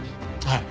はい。